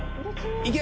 いけ！